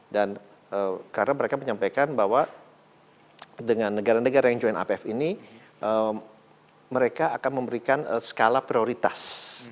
dan karena mereka menyampaikan bahwa dengan negara negara yang join ipf ini mereka akan memberikan skala prioritas